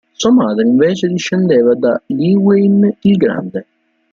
Sua madre invece discendeva da Llywelyn il Grande.